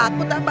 gak takut apa